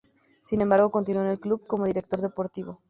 Sin embargo, continuó en el club como director deportivo.